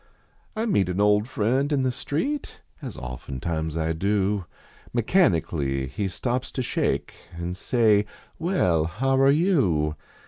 I meet an old friend in the street, As oftentimes I do, Mechanically he stops to shake An say :" Well, how are you